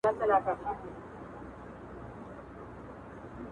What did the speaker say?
ته په کومو سترګو خرو ته احترام کړې